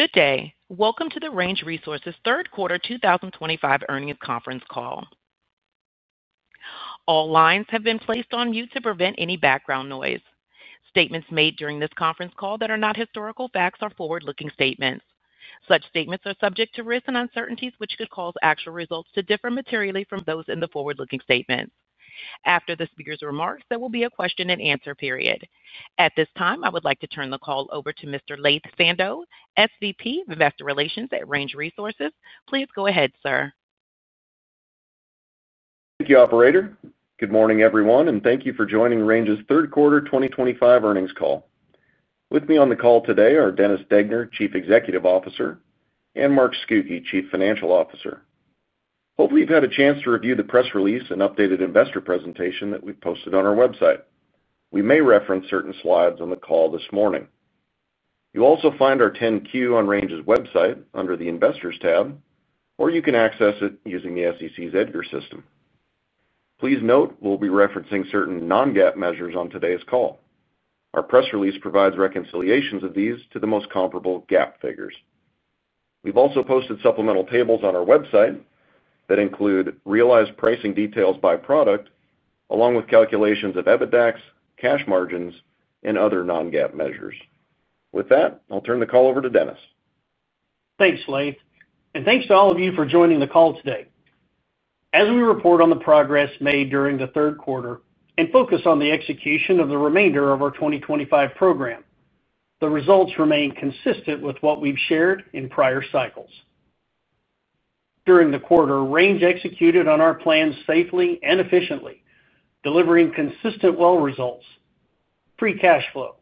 Good day. Welcome to the Range Resources Third Quarter 2025 Earnings Conference Call. All lines have been placed on mute to prevent any background noise. Statements made during this conference call that are not historical facts are forward-looking statements. Such statements are subject to risks and uncertainties which could cause actual results to differ materially from those in the forward-looking statements. After the speaker's remarks, there will be a question-and-answer period. At this time, I would like to turn the call over to Mr. Laith Sando, SVP of Investor Relations at Range Resources. Please go ahead, sir. Thank you, operator. Good morning, everyone and thank you for joining Range's Third Quarter 2025 Earnings Call. With me on the call today are Dennis Degner, Chief Executive Officer, and Mark Scucchi, Chief Financial Officer. Hopefully, you've had a chance to review the press release and updated investor presentation that we posted on our website. We may reference certain slides on the call this morning. You'll also find our 10-Q on Range's website, under the investors tab, or you can access it using the SEC's EDGAR system. Please note, we'll be referencing certain non-GAAP measures on today's call. Our press release provides reconciliations of these to the most comparable GAAP figures. We've also posted supplemental tables on our website, that include realized pricing details by product, along with calculations of EBITDAX, cash margins, and other non-GAAP measures. With that, I'll turn the call over to Dennis. Thanks, Laith. Thanks to all of you for joining the call today, as we report on the progress made during the third quarter and focus on the execution of the remainder of our 2025 program. The results remain consistent with what we've shared in prior cycles. During the quarter, Range executed on our plans safely and efficiently, delivering consistent well results, free cash flow,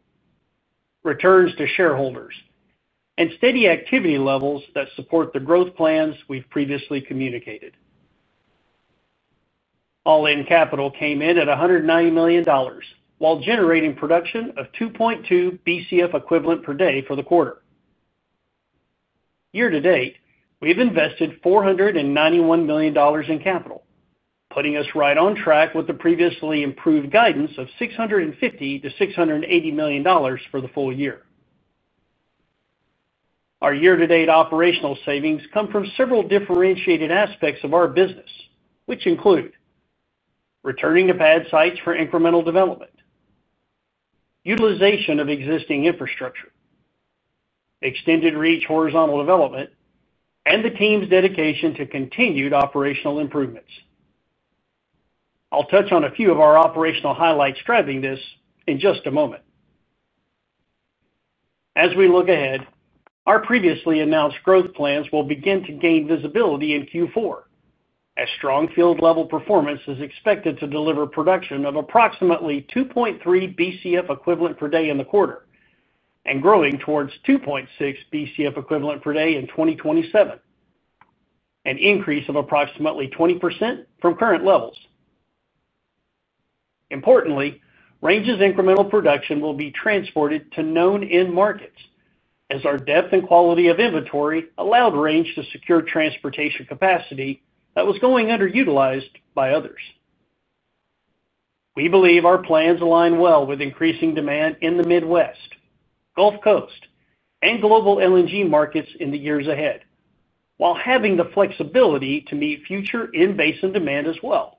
returns to shareholders, and steady activity levels that support the growth plans we've previously communicated. All in capital came in at $190 million, while generating production of 2.2 Bcfe per day for the quarter. Year-to-date, we've invested $491 million in capital, putting us right on track with the previously improved guidance of $650 million-$680 million for the full year. Our year-to-date operational savings come from several differentiated aspects of our business, which include returning to pad sites for incremental development, utilization of existing infrastructure, extended reach horizontal development, and the team's dedication to continued operational improvements. I'll touch on a few of our operational highlights driving this in just a moment. As we look ahead, our previously announced growth plans will begin to gain visibility in Q4, as strong field-level performance is expected to deliver production of approximately 2.3 Bcfe equivalent per day in the quarter and growing towards 2.6 Bcfe equivalent per day in 2027, an increase of approximately 20% from current levels. Importantly, Range's incremental production will be transported to known end markets, as our depth and quality of inventory allowed Range to secure transportation capacity that was going underutilized by others. We believe our plans align well with increasing demand in the Midwest, Gulf Coast, and global LNG markets in the years ahead, while having the flexibility to meet future in-basin demand as well.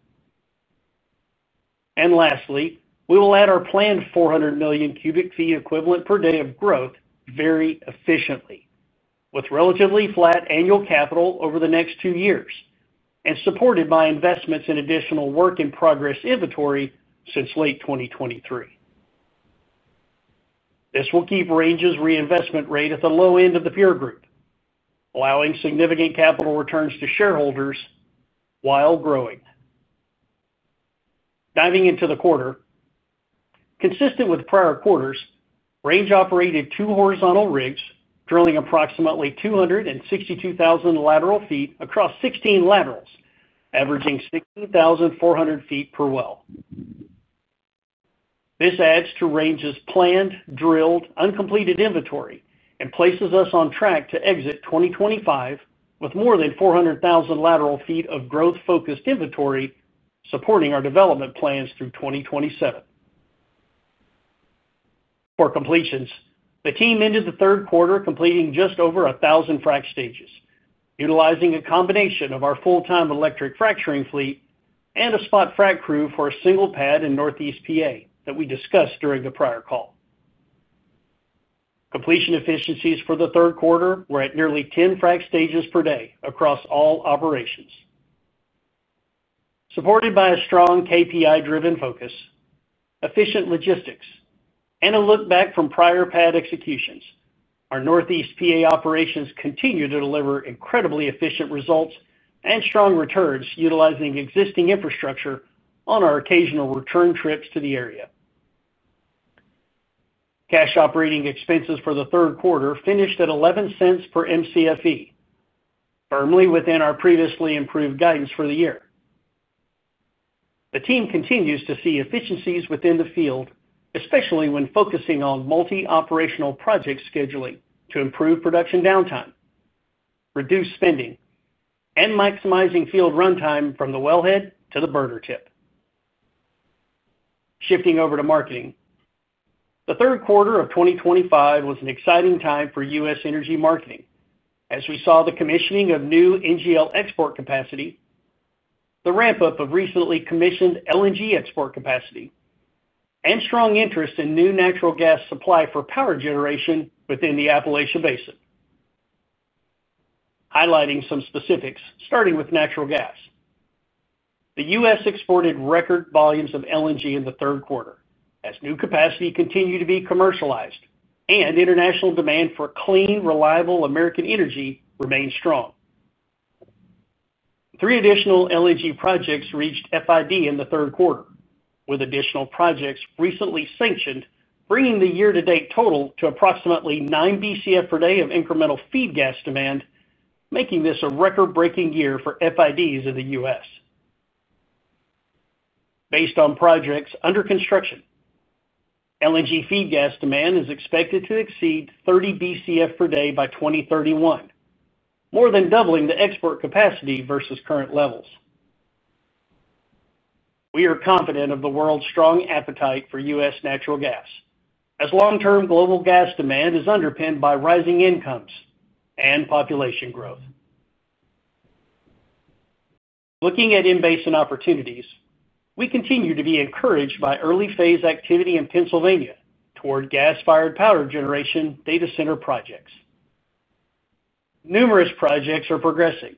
Lastly, we will add our planned 400 million ft³ equivalent per day of growth very efficiently, with relatively flat annual capital over the next two years and supported by investments in additional work-in-progress inventory since late 2023. This will keep Range's reinvestment rate at the low end of the peer group, allowing significant capital returns to shareholders while growing. Diving into the quarter, consistent with prior quarters, Range operated two horizontal rigs, drilling approximately 262,000 lateral feet across 16 laterals, averaging 16,400 ft per well. This adds to Range's planned drilled uncompleted inventory, and places us on track to exit 2025 with more than 400,000 lateral feet of growth-focused inventory supporting our development plans through 2027. For completions, the team ended the third quarter completing just over 1,000 frac stages, utilizing a combination of our full-time electric fracturing fleet and a spot frac crew for a single pad in Northeast PA, that we discussed during the prior call. Completion efficiencies for the third quarter were at nearly 10 frac stages per day across all operations. Supported by a strong KPI-driven focus, efficient logistics and a look back from prior pad executions, our Northeast PA operations continue to deliver incredibly efficient results and strong returns, utilizing existing infrastructure on our occasional return trips to the area. Cash operating expenses for the third quarter finished at $0.11 per Mcfe, firmly within our previously improved guidance for the year. The team continues to see efficiencies within the field, especially when focusing on multi-operational project scheduling to improve production downtime, reduce spending, and maximizing field runtime from the wellhead to the burner tip. Shifting over to marketing, the third quarter of 2025 was an exciting time for U.S. energy marketing, as we saw the commissioning of new NGL export capacity, the ramp-up of recently commissioned LNG export capacity, and strong interest in new natural gas supply for power generation within the Appalachia Basin. Highlighting some specifics, starting with natural gas. The U.S. exported record volumes of LNG in the third quarter, as new capacity continued to be commercialized and international demand for clean, reliable American energy remained strong. Three additional LNG projects reached FID in the third quarter, with additional projects recently sanctioned, bringing the year-to-date total to approximately 9 Bcf per day of incremental feed gas demand, making this a record-breaking year for FIDs in the U.S. Based on projects under construction, LNG feed gas demand is expected to exceed 30 Bcf per day by 2031, more than doubling the export capacity versus current levels. We are confident of the world's strong appetite for U.S. natural gas, as long-term global gas demand is underpinned by rising incomes and population growth. Looking at in-basin opportunities, we continue to be encouraged by early-phase activity in Pennsylvania toward gas-fired power generation data center projects. Numerous projects are progressing,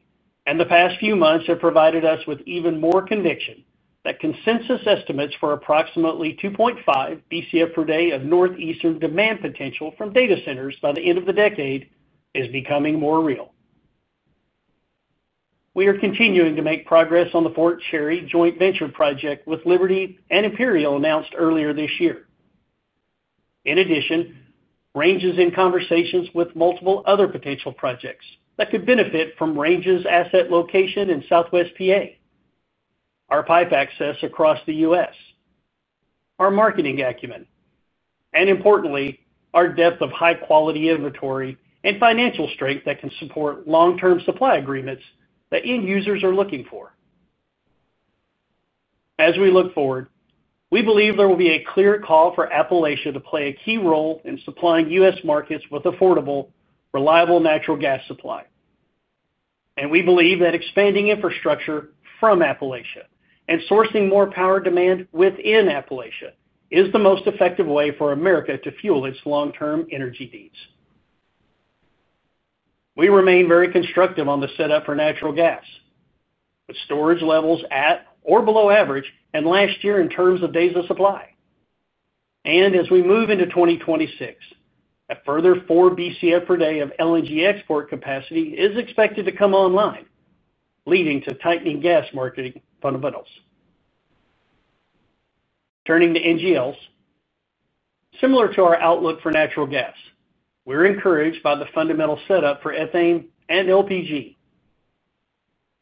and the past few months have provided us with even more conviction that consensus estimates for approximately 2.5 Bcf per day of northeastern demand potential from data centers by the end of the decade is becoming more real. We are continuing to make progress on the Fort Cherry joint venture project with Liberty and Imperial announced earlier this year. In addition, Range is in conversations with multiple other potential projects that could benefit from Range's asset location in Southwest PA, our pipe access across the U.S., our marketing acumen, and importantly, our depth of high-quality inventory and financial strength that can support long-term supply agreements that end users are looking for. As we look forward, we believe there will be a clear call for Appalachia to play a key role in supplying U.S. markets with affordable, reliable natural gas supply. We believe that expanding infrastructure from Appalachia, and sourcing more power demand within Appalachia is the most effective way for America to fuel its long-term energy needs. We remain very constructive on the setup for natural gas, with storage levels at or below average, and last year in terms of days of supply. As we move into 2026, a further 4 Bcf per day of LNG export capacity is expected to come online, leading to tightening gas marketing fundamentals. Turning to NGLs, similar to our outlook for natural gas, we're encouraged by the fundamental setup for ethane and LPG.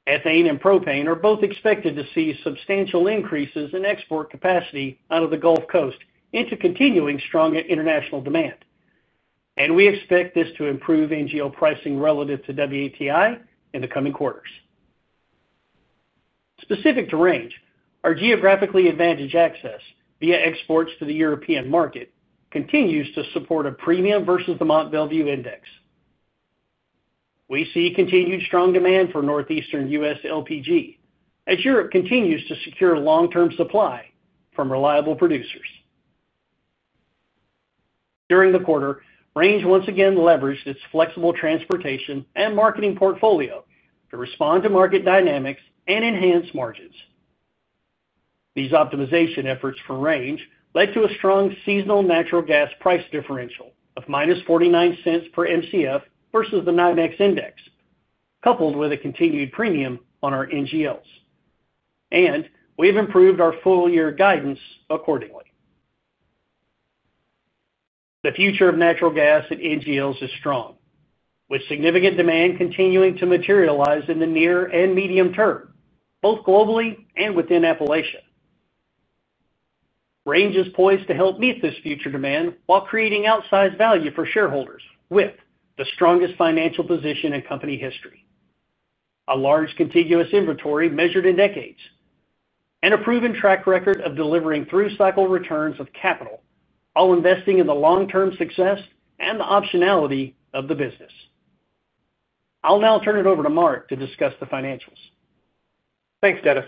Ethane and propane are both expected to see substantial increases in export capacity out of the Gulf Coast into continuing strong international demand, and we expect this to improve NGL pricing relative to WTI in the coming quarters. Specific to Range, our geographically advantaged access via exports to the European market continues to support a premium versus the Mont Belvieu index. We see continued strong demand for northeastern U.S. LPG, as Europe continues to secure long-term supply from reliable producers. During the quarter, Range once again leveraged its flexible transportation and marketing portfolio, to respond to market dynamics and enhance margins. These optimization efforts for Range led to a strong seasonal natural gas price differential of -$0.49 per Mcf versus the NYMEX index, coupled with a continued premium on our NGLs. We've improved our full-year guidance accordingly. The future of natural gas and NGLs is strong, with significant demand continuing to materialize in the near and medium term both globally and within Appalachia. Range is poised to help meet this future demand, while creating outsized value for shareholders, with the strongest financial position in company history, a large contiguous inventory measured in decades, and a proven track record of delivering through cycle returns of capital, all investing in the long-term success and the optionality of the business. I'll now turn it over to Mark to discuss the financials. Thanks, Dennis.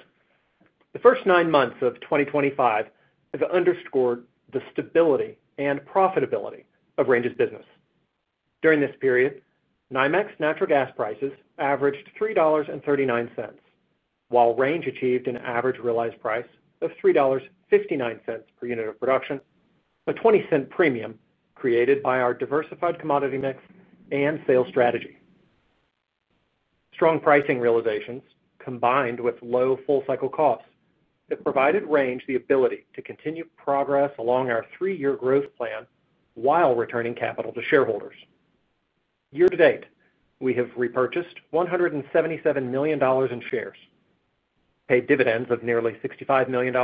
The first nine months of 2025 have underscored the stability and profitability of Range's business. During this period, NYMEX natural gas prices averaged $3.39, while Range achieved an average realized price of $3.59 per unit of production, a $0.20 premium created by our diversified commodity mix and sales strategy. Strong pricing realizations combined with low full-cycle costs have provided Range the ability to continue progress along our three-year growth plan, while returning capital to shareholders. Year-to-date, we have repurchased $177 million in shares, paid dividends of nearly $65 million,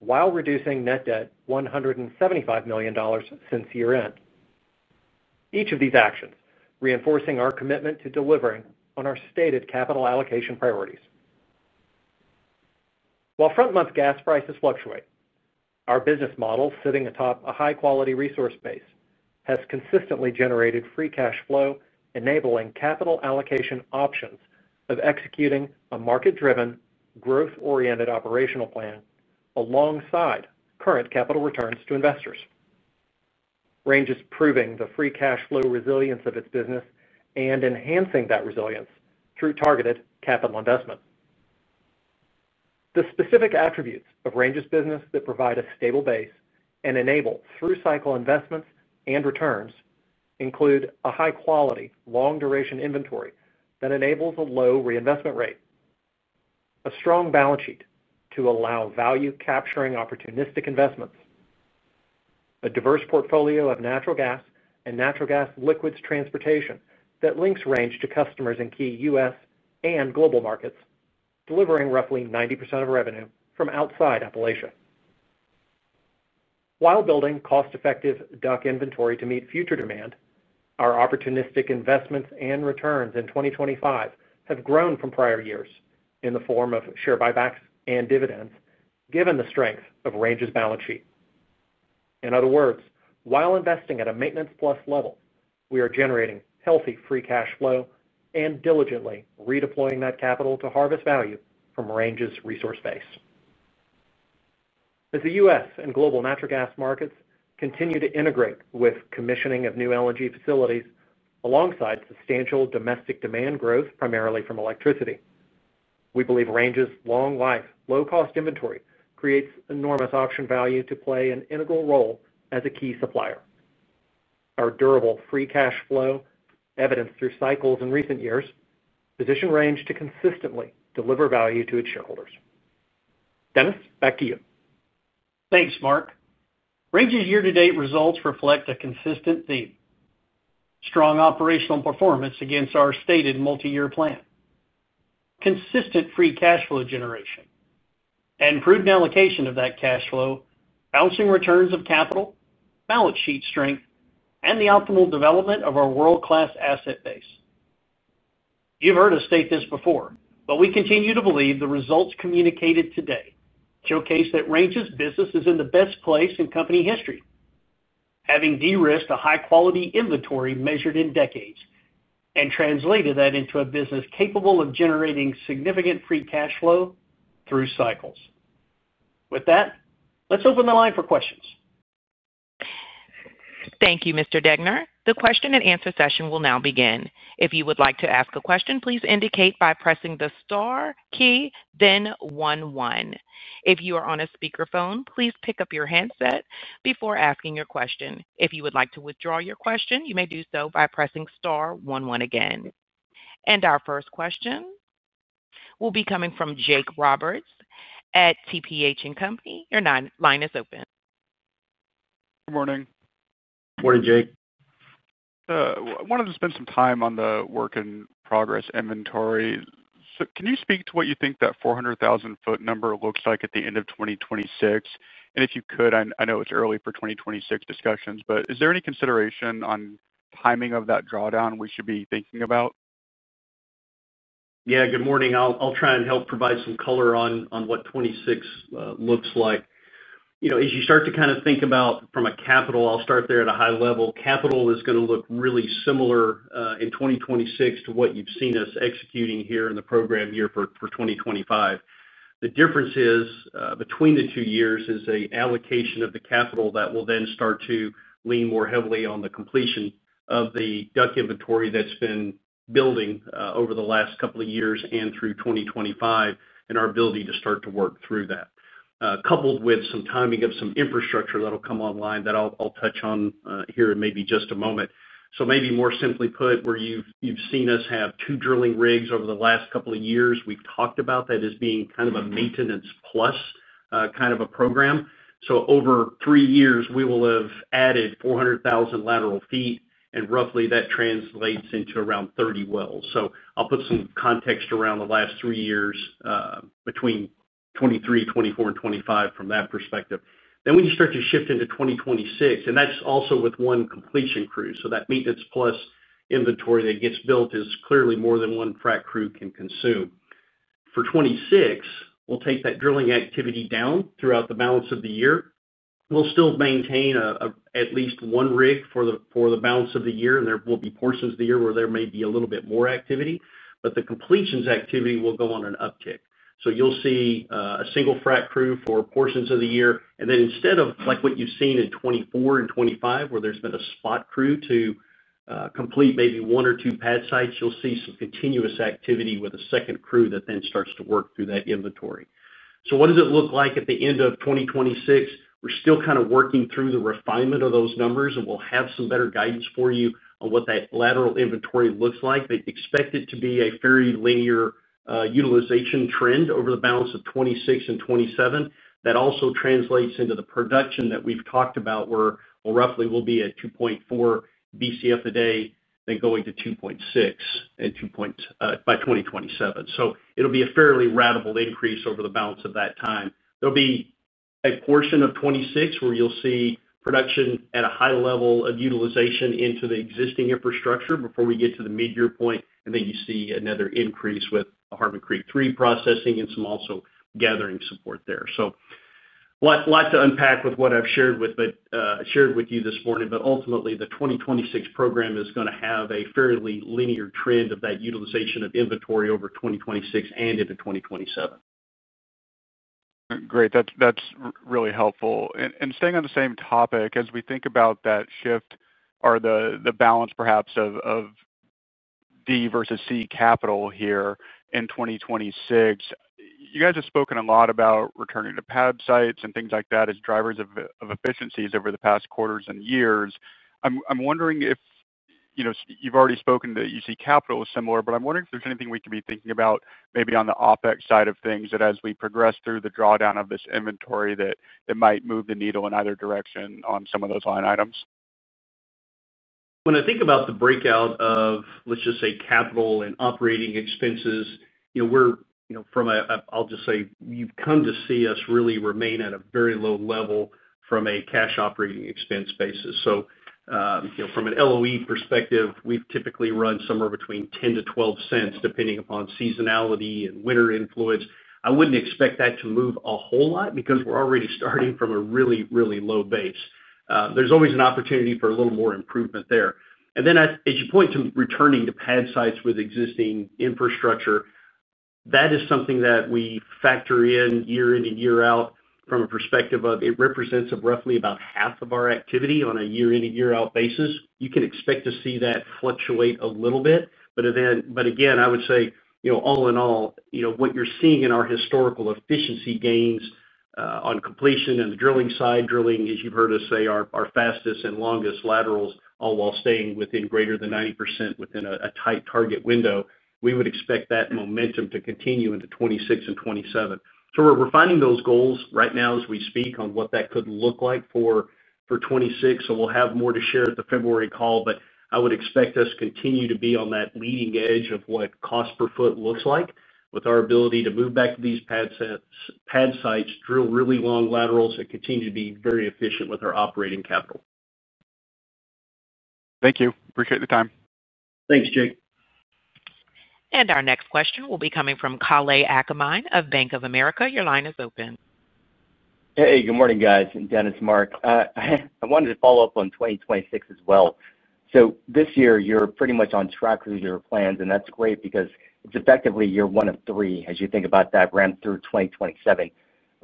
while reducing net debt, $175 million since year end. Each of these actions reinforcing our commitment to delivering on our stated capital allocation priorities. While front-month gas prices fluctuate, our business model sitting atop a high quality resource base has consistently generated free cash flow, enabling capital allocation options of executing a market-driven, growth-oriented operational plan, alongside current capital returns to investors. Range is proving the free cash flow resilience of its business, and enhancing that resilience through targeted capital investment. The specific attributes of Range's business that provide a stable base and enable through cycle investments and returns include a high quality, long duration inventory that enables a low reinvestment rate, a strong balance sheet to allow value capturing opportunistic investments, a diverse portfolio of natural gas and natural gas liquids transportation that links Range to customers in key U.S. and global markets, delivering roughly 90% of revenue from outside Appalachia. While building cost-effective DUC inventory to meet future demand, our opportunistic investments and returns in 2025 have grown from prior years, in the form of share buybacks and dividends, given the strength of Range's balance sheet. In other words, while investing at a maintenance plus level, we are generating healthy free cash flow, and diligently redeploying that capital to harvest value from Range's resource base. As the U.S. and global natural gas markets continue to integrate with commissioning of new LNG facilities, alongside substantial domestic demand growth, primarily from electricity, we believe Range's long life low cost inventory creates enormous auction value to play an integral role as a key supplier. Our durable free cash flow, evidenced through cycles in recent years positions Range to consistently deliver value to its shareholders. Dennis, back to you. Thanks, Mark. Range's year-to-date results reflect a consistent theme, strong operational performance against our stated multi-year plan, consistent free cash flow generation, and prudent allocation of that cash flow, balancing returns of capital, balance sheet strength, and the optimal development of our world-class asset base. You've heard us state this before, but we continue to believe the results communicated today showcase that Range's business is in the best place in company history, having de-risked a high-quality inventory measured in decades and translated that into a business capable of generating significant free cash flow through cycles. With that, let's open the line for questions. Thank you, Mr. Degner. The question-and-answer session will now begin. If you would like to ask a question, please indicate by pressing the star key, then one, one. If you are on a speakerphone, please pick up your handset before asking your question. If you would like to withdraw your question, you may do so by pressing star, one, one again. Our first question will be coming from Jake Roberts at TPH & Co. Your line is open. Good morning. Good morning, Jake. I wanted to spend some time on the work-in-progress inventory, so can you speak to what you think that 400,000 ft number looks like at the end of 2026? If you could, I know it's early for 2026 discussions, but is there any consideration on timing of that drawdown we should be thinking about? Yeah, good morning. I'll try and help provide some color on what 2026 looks like. As you start to kind of think about capital, I'll start there at a high level, capital is going to look really similar in 2026 to what you've seen us executing here in the program year for 2025. The difference between the two years is an allocation of the capital, that will then start to lean more heavily on the completion of the DUC inventory that's been building over the last couple of years and through 2025, and our ability to start to work through that, coupled with some timing of some infrastructure that'll come online, that I'll touch on here in maybe just a moment. Maybe more simply put, where you've seen us have two drilling rigs over the last couple of years, we've talked about that as being kind of a maintenance plus kind of a program. Over three years, we will have added 400,000 lateral feet, and roughly that translates into around 30 wells. I'll put some context around the last three years, between 2023, 2024, and 2025 from that perspective. When you start to shift into 2026, and that's also with one completion crew, so that maintenance plus inventory that gets built is clearly more than one frac crew can consume. For 2026, we'll take that drilling activity down throughout the balance of the year. We'll still maintain at least one rig for the balance of the year. There will be portions of the year where there may be a little bit more activity, but the completions activity will go on an uptick. You'll see a single frac crew for portions of the year, and then instead of like what you've seen in 2024 and 2025, where there's been a spot crew to complete maybe one or two pad sites, you'll see some continuous activity with a second crew that then starts to work through that inventory. What does it look like at the end of 2026? We're still kind of working through the refinement of those numbers, and we'll have some better guidance for you on what that lateral inventory looks like. They expect it to be a very linear utilization trend over the balance of 2026 and 2027. That also translates into the production that we've talked about, where roughly we'll be at 2.4 Bcf a day, then going to 2.6 by 2027. It'll be a fairly ratable increase over the balance of that time. There'll be a portion of 2026 where you'll see production at a high level of utilization into the existing infrastructure, before we get to the mid-year point and then you see another increase with Harmon Creek III processing, and some also gathering support there. A lot to unpack with what I've shared with you this morning. Ultimately, the 2026 program is going to have a fairly linear trend of that utilization of inventory over 2026 and into 2027. Great, that's really helpful. Staying on the same topic, as we think about that shift or the balance perhaps of D versus C capital here in 2026, you guys have spoken a lot about returning to pad sites and things like that as drivers of efficiencies over the past quarters and years. I'm wondering if you've already spoken that you see capital as similar, but I'm wondering if there's anything we could be thinking about maybe on the OpEx side of things, that as we progress through the drawdown of this inventory, that it might move the needle in either direction on some of those line items. When I think about the breakout of, let's just say, capital and operating expenses, I'll just say, you've come to see us really remain at a very low level from a cash operating expense basis. From an LOE perspective, we typically run somewhere between $0.10-$0.12, depending upon seasonality and winter influence. I wouldn't expect that to move a whole lot because we're already starting from a really, really low base. There's always an opportunity for a little more improvement there. As you point to returning to pad sites with existing infrastructure, that is something that we factor in year in, year out. From a perspective of, it represents roughly about half of our activity on a year-in and year-out basis, you can expect to see that fluctuate a little bit. Again, I would say all in all, what you're seeing in our historical efficiency gains on completion and drilling side, drilling, as you've heard us say, our fastest and longest laterals, all while staying within greater than 90% within a tight target window, we would expect that momentum to continue into 2026 and 2027. We're refining those goals right now as we speak, on what that could look like for 2026. We'll have more to share at the February call, but I would expect us to continue to be on that leading edge of what cost per foot looks like, with our ability to move back to these pad sites, drill really long laterals and continue to be very efficient with our operating capital. Thank you. Appreciate the time. Thanks, Jake. Our next question will be coming from Kalei Akamine of Bank of America. Your line is open. Hey. Good morning, guys. Dennis, Mark, I wanted to follow up on 2026's wells, so this year, you're pretty much on track with your plans and that's great because it's effectively year one of three, as you think about that ramp through 2027.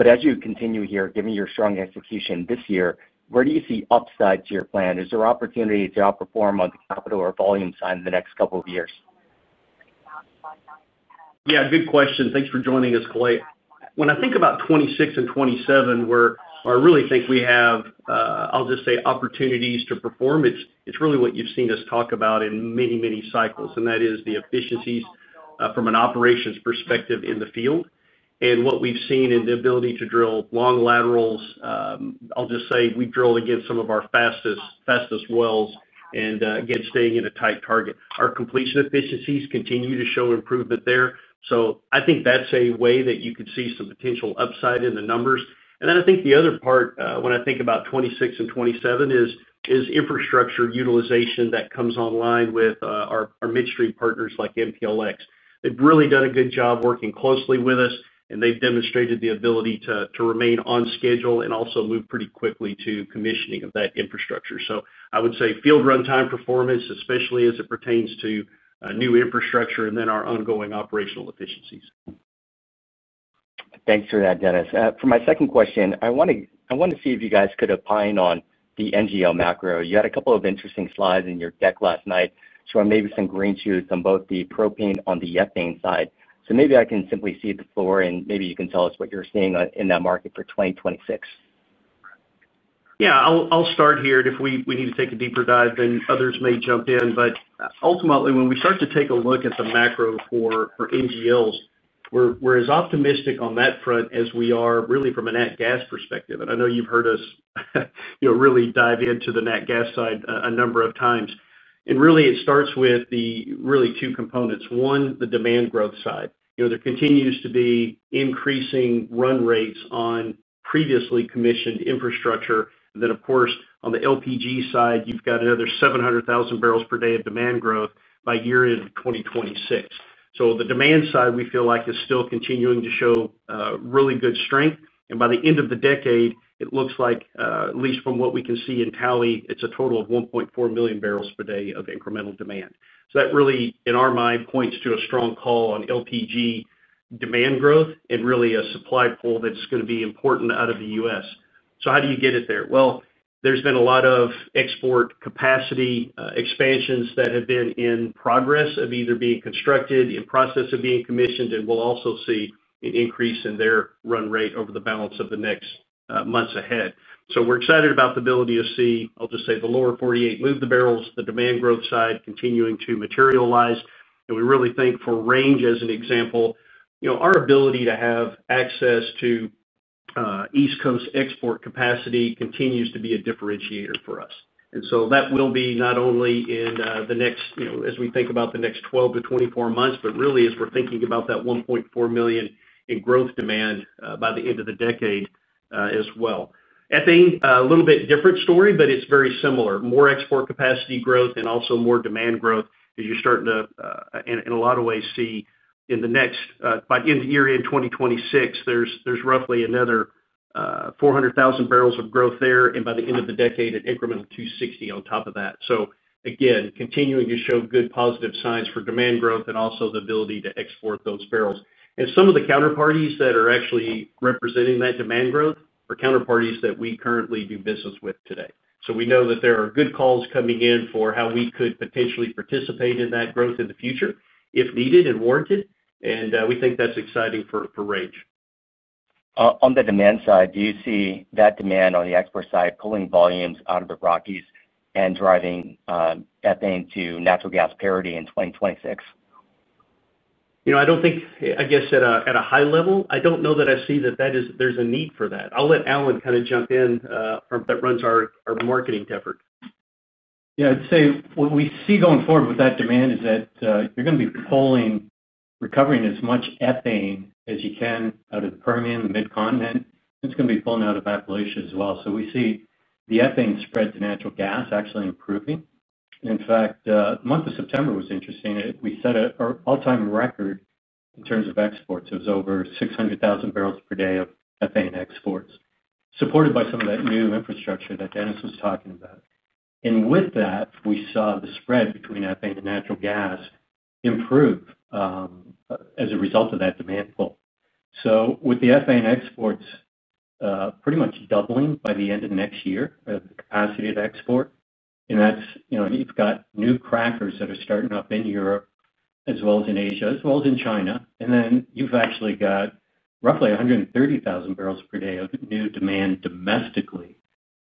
As you continue here, given your strong execution this year, where do you see upside to your plan? Is there opportunity to outperform on the capital or volume side in the next couple of years? Yeah, good question. Thanks for joining us, Kalei. When I think about 2026 and 2027, where I really think we have, I'll just say opportunities to perform, it's really what you've seen us talk about in many, many cycles. That is the efficiencies from an operations perspective in the field. What we've seen in the ability to drill long laterals, I'll just say we drill against some of our fastest wells and again, staying in a tight target, our completion efficiencies continue to show improvement there. I think that's a way that you could see some potential upside in the numbers. I think the other part, when I think about 2026 and 2027, is infrastructure utilization that comes online with our midstream partners like MPLX. They've really done a good job working closely with us, and they've demonstrated the ability to remain on schedule and also move pretty quickly to commissioning of that infrastructure. I would say field runtime performance, especially as it pertains to new infrastructure and then our ongoing operational efficiencies. Thanks for that, Dennis. For my second question, I want to see if you guys could opine on the NGL macro. You had a couple of interesting slides in your deck last night, showing maybe some green shoots on both the propane and the ethane side. Maybe I can simply cede the floor, and you can tell us what you're seeing in that market for 2026. Yeah, I'll start here. If we need to take a deeper dive, then others may jump in. Ultimately, when we start to take a look at the macro for NGLs, we're as optimistic on that front as we are really from a nat gas perspective. I know you've heard us really dive into the natural gas side a number of times. It starts with really two components. One, the demand growth side, there continues to be increasing run rates on previously commissioned infrastructure. Of course, on the LPG side, you've got another 700,000 barrels per day of demand growth by year-end 2026. The demand side, we feel like it's still continuing to show really good strength. By the end of the decade, it looks like, at least from what we can see in tally, it's a total of 1.4 million barrels per day of incremental demand. That really in our mind, points to a strong call on LPG demand growth and really a supply pool that's going to be important out of the U.S. How do you get it there? There's been a lot of export capacity expansions that have been in progress, of either being constructed or in process of being commissioned. We will also see an increase in their run rate over the balance of the next months ahead. We are excited about the ability to see, I'll just say, the lower 48 move to barrels, the demand growth side continuing to materialize. We really think for Range, as an example, our ability to have access to East Coast export capacity continues to be a differentiator for us. That will be not only in the next, as we think about the next 12-24 months, but really as we're thinking about that 1.4 million in growth demand by the end of the decade as well. Ethane, a little bit different story, but it's very similar. More export capacity growth and also more demand growth, as you're starting to, in a lot of ways see, by year-end 2026, there's roughly another 400,000 barrels of growth there and by the end of the decade, an incremental 260,000 on top of that. Again, continuing to show good positive signs for demand growth and also the ability to export those barrels. Some of the counterparties that are actually representing that demand growth are counterparties that we currently do business with today. We know that there are good calls coming in for how we could potentially participate in that growth in the future if needed and warranted. We think that's exciting for Range. On the demand side, do you see that demand on the export side pulling volumes out of the Rockies and driving ethane to natural gas parity in 2026? I don't think. I guess at a high level, I don't know that I see that there's a need for that. I'll let Alan kind of jump in, that runs our marketing effort. Yeah. I'd say, what we see going forward with that demand is that you're going to be pulling, recovering as much ethane as you can out of the Permian, the Mid-Continent. It's going to be pulling out of Appalachia as well. We see the ethane spread to natural gas actually improving. In fact, the month of September was interesting. We set an all-time record in terms of exports. It was over 600,000 barrels per day of ethane exports, supported by some of that new infrastructure that Dennis was talking about. With that, we saw the spread between ethane and natural gas improve as a result of that demand pull. With the ethane exports pretty much doubling by the end of next year, capacity of export and that's,, you've got new crackers that are starting up in Europe as well as in Asia, as well as in China. You've actually got roughly 130,000 barrels per day of new demand domestically,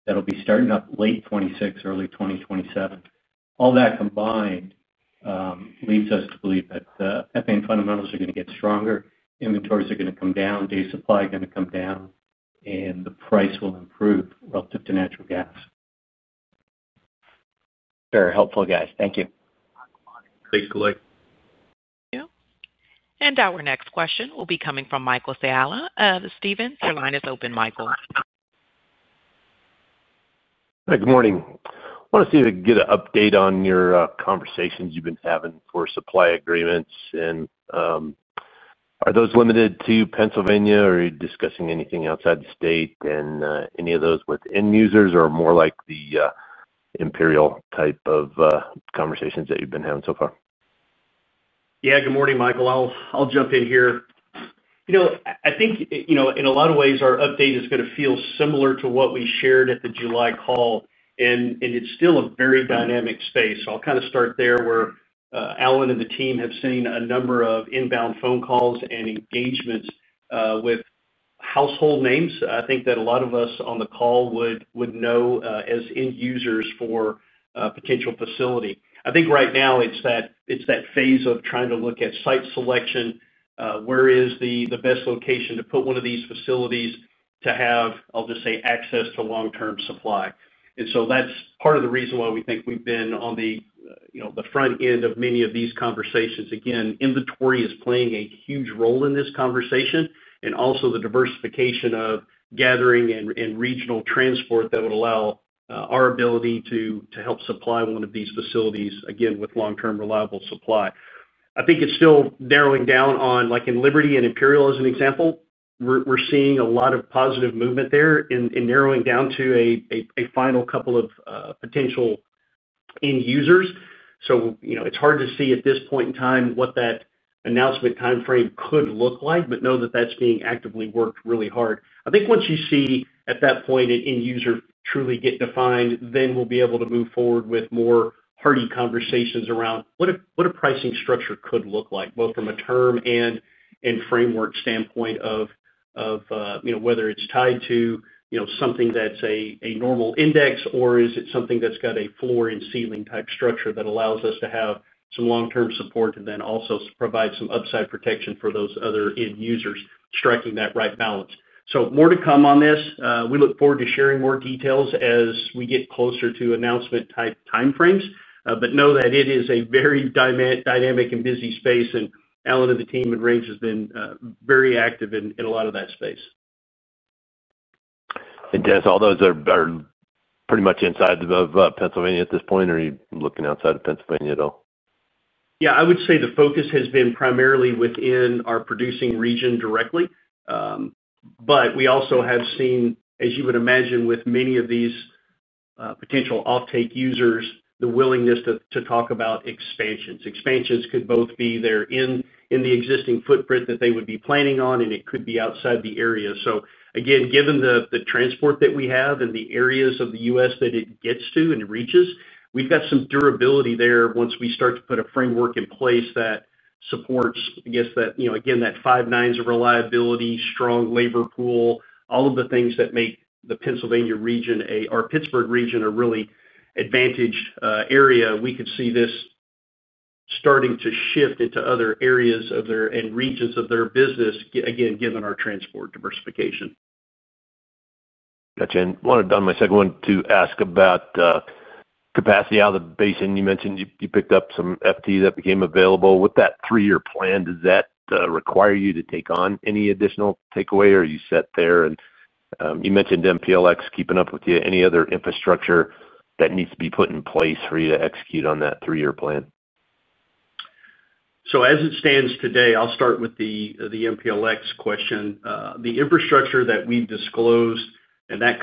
that'll be starting up late 2026, early 2027. All that combined leads us to believe that ethane fundamentals are going to get stronger, inventories are going to come down, day supply is going to come down and the price will improve relative to natural gas. Very helpful, guys. Thank you. Thanks, Kalei. Thank you. Our next question will be coming from Michael Scialla of Stephens,. Your line is open, Michael, Good morning. Want to see if I can get an update on your conversations you've been having for supply agreements, and are those limited to Pennsylvania? Are you discussing anything outside the state, and any of those with end users or more like the Imperial type of conversations that you've been having so far? Yeah. Good morning, Michael. I'll jump in here. I think in a lot of ways, our update is going to feel similar to what we shared at the July call and it's still a very dynamic space. I'll kind of start there, where Alan and the team have seen a number of inbound phone calls and engagements with household names. I think that a lot of us on the call would know as end users for potential facility. I think right now, it's that phase of trying to look at site selection. Where is the best location to put one of these facilities to have, I'll just say access to long-term supply? That's part of the reason why we think we've been on the front end of many of these conversations. Again, inventory is playing a huge role in this conversation, and also the diversification of gathering and regional transport that would allow our ability to help supply one of these facilities, again with long-term reliable supply. I think it's still narrowing down on like in Liberty and Imperial, as an example, we're seeing a lot of positive movement there in narrowing down to a final couple of potential end users. It's hard to see at this point in time what that announcement time frame could look like, but know that that's being actively worked really hard. I think once you see at that point, an end user truly get defined, then we'll be able to move forward with more hearty conversations around what a pricing structure could look like both from a term and framework standpoint of, whether it's tied to something that's a normal index or is it something that's got a floor and ceiling type structure that allows us to have some long term support, and then also provide some upside protection for those other end users striking that right balance. More to come on this. We look forward to sharing more details as we get closer to announcement-type time frames, but know that it is a very dynamic and busy space. Alan and the team at Range have been very active in a lot of that space. Dennis, all those are pretty much inside of Pennsylvania at this point or are you looking outside of Pennsylvania at all? Yeah, I would say the focus has been primarily within our producing region directly. We also have seen, as you would imagine, with many of these potential offtake users, the willingness to talk about expansions. Expansions could both be there in the existing footprint that they would be planning on, and it could be outside the area. Again, given the transport that we have and the areas of the U.S. that it gets to and reaches, we've got some durability there. Once we start to put a framework in place that supports, I guess that five nines of reliability, strong labor pool, all of the things that make the Pennsylvania region or Pittsburgh region a really advantage area, we could see this starting to shift into other areas and regions of their business given our transport diversification. Got you. I wanted on my second one, to ask about capacity out of the basin. You mentioned you picked up some FTs that became available with that three-year plan. Does that require you to take on any additional takeaway? Are you set there? You mentioned MPLX keeping up with you. Any other infrastructure that needs to be put in place for you to execute on that three-year plan? As it stands today, I'll start with the MPLX question. The infrastructure that we disclosed and those